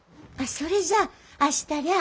それじゃあ明日りゃあ